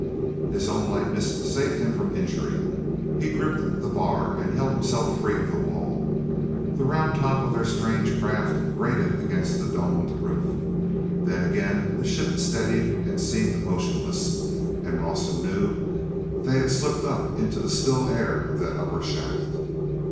is own lightness saved him from injury. He gripped the bar and held himself free of the wall. The round top of their strange craft grated against the domed roof. Then again the ship steadied and seemed motionless, and Rawson knew they had slipped up into the still air of that upper shaft.